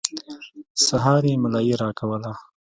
سهار يې ملايي راکوله.